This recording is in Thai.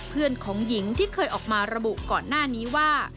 เพื่อนของหญิงที่เคยออกมาระบุก่อนหน้านี้ว่า